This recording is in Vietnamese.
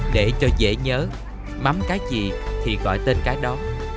để cho dễ nhớ mắm cái gì thì gọi tên cái đó